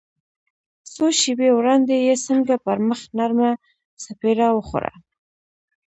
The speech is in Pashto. څو شېبې وړاندې يې څنګه پر مخ نرمه څپېړه وخوړه.